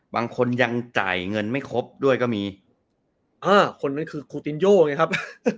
บางคนยังจ่ายเงินไม่ครบด้วยก็มีเออคนนั้นคือคูตินโยไงครับ